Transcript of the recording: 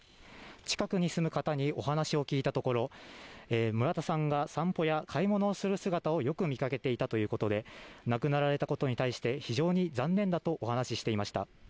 近くに住む方にお話を聞いたところ村田さんが散歩や買い物をする姿をよく見掛けていたということで亡くなられたことに対して非常に残念だと話していました。